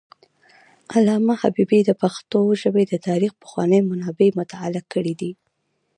علامه حبیبي د پښتو ژبې د تاریخ پخواني منابع مطالعه کړي دي.